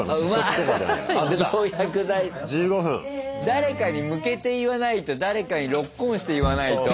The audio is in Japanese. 誰かに向けて言わないと誰かにロックオンして言わないと。